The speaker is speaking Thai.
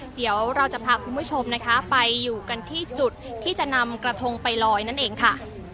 เดี๋ยวเราจะพาคุณผู้ชมนะคะไปอยู่กันที่จุดที่จะนำกระทงไปลอยนั่นเองค่ะ